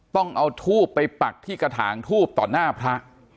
ต้องเอาทูบไปปักที่กระถางทูบต่อหน้าพระ